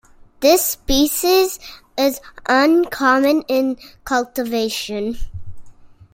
This species is uncommon in cultivation.